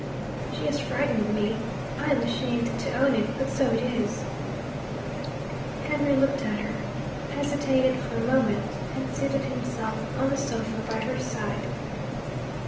'She has frightened me. I am ashamed to own it but so it is.' Henry looked at her, hesitated for a moment, and seated himself on the sofa by her side.